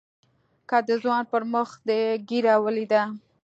که د ځوان پر مخ دې ږيره وليده.